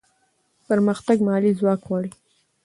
پرمختګ مالي ځواک غواړي.